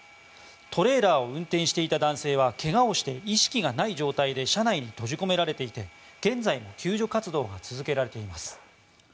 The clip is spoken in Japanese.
トレーラーを運転していた男性はけがをして意識がない状態で車内に閉じ込められていて現在も救助活動が続けられています。